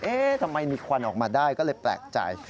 ทำไมมีควันออกมาได้ก็เลยแปลกใจ